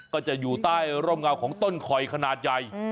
ก็จะอยู่ใต้ร่มเงาของต้นคอยขนาดใหญ่